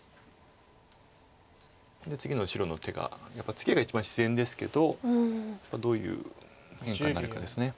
次の白の手がやっぱりツケが一番自然ですけどどういう変化になるかです。